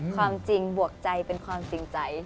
ความจริงบวกใจเป็นความจริงใจ